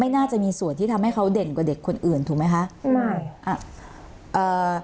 น่าจะมีส่วนที่ทำให้เขาเด่นกว่าเด็กคนอื่นถูกไหมคะไม่อ่าเอ่อ